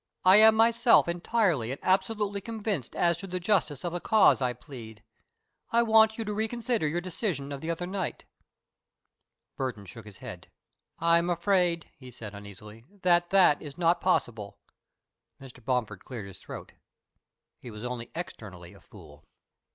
I am myself entirely and absolutely convinced as to the justice of the cause I plead. I want you to reconsider your decision of the other night." Burton shook his head. "I am afraid," he said, uneasily, "that that is not possible." Mr. Bomford cleared his throat. He was only externally a fool. "Mr.